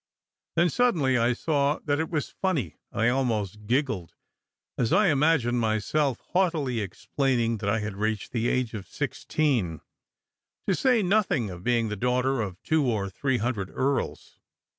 Then, 10 SECRET HISTORY suddenly, I saw that it was funny, and I almost giggled as I imagined myself haughtily explaining that I had reached the age of sixteen, to say nothing of being the daughter of two or three hundred earls.